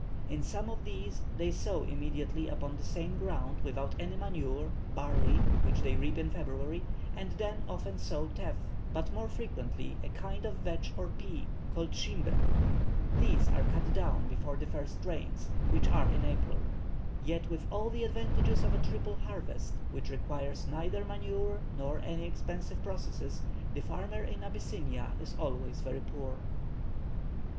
In some of these they sow immediately upon the same ground without any manure, barley, which they reap in February, and then often sow 'teff,' but more frequently a kind of vetch or pea, called Shimbra; these are cut down before the first rains, which are in April; yet with all the advantages of a triple harvest, which requires neither manure nor any expensive processes, the farmer in Abyssinia is always very poor."